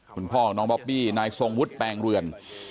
คุณพ่อของน้องบอบบี้นายทรงวุฒิแปลงเรือน